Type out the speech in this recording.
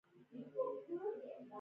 په هماغه کچه د کارګرانو بې وزلي زیاتېږي